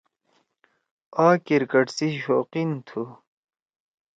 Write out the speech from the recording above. آ کرکٹ سی شوقین تُھو۔